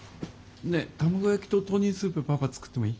ねえ卵焼きと豆乳スープパパ作ってもいい？